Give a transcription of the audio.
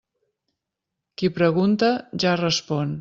Qui pregunta, ja respon.